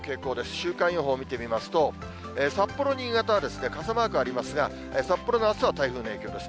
週間予報見てみますと、札幌、新潟は傘マークありますが、札幌のあすは台風の影響です。